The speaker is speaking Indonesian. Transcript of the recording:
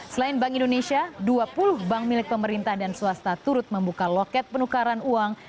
selain bank indonesia dua puluh bank milik pemerintah dan swasta turut membuka loket penukaran uang